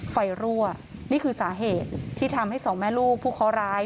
รั่วนี่คือสาเหตุที่ทำให้สองแม่ลูกผู้เคาะร้าย